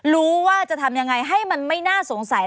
รู้ว่าจะทำยังไงให้มันไม่น่าสงสัย